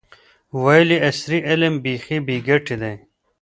ویل یې عصري علم بیخي بې ګټې دی.